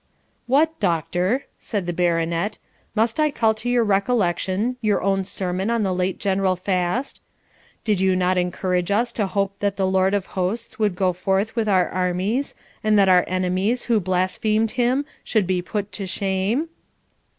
'What, Doctor,' said the Baronet,'must I call to your recollection your own sermon on the late general fast? Did you not encourage us to hope that the Lord of Hosts would go forth with our armies, and that our enemies, who blasphemed him, should be put to shame?'